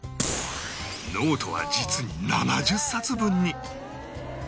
ノートは実に７０冊分に